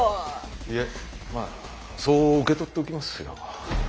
いえまあそう受け取っておきますよ。